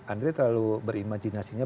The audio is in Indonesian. andri terlalu berimajinasinya